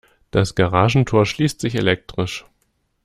Das Garagentor schließt sich elektrisch.